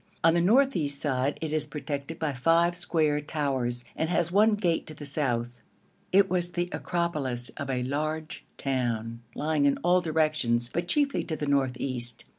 On the north east side it is protected by five square towers, and has one gate to the south. It was the acropolis of a large town, lying in all directions, but chiefly to the north east.